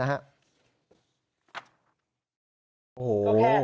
แม่ตำตอนที่ฝากอะไรบ้าง